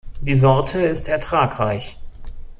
Die Sorte ist ertragreich.